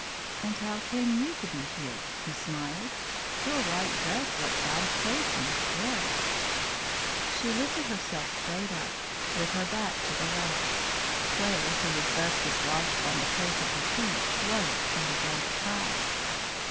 "And how came you to be here?" he smiled. "Your white dress looks out of place in this garret." She lifted herself straight up, with her back to the wall. Claire, who was thus dislodged from the place at her feet woke, and began to cry.